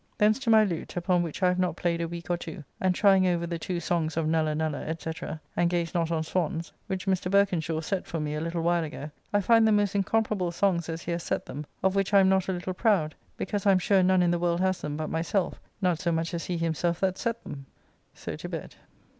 Thence to my lute, upon which I have not played a week or two, and trying over the two songs of "Nulla, nulla," &c., and "Gaze not on Swans," which Mr. Berkenshaw set for me a little while ago, I find them most incomparable songs as he has set them, of which I am not a little proud, because I am sure none in the world has them but myself, not so much as he himself that set them. So to bed.